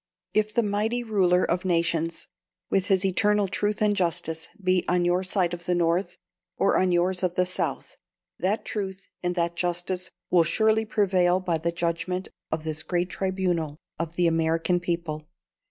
If the Mighty Ruler of Nations, with His eternal truth and justice, be on your side of the North, or on yours of the South, that truth and that justice will surely prevail by the judgment of this great tribunal of the American people."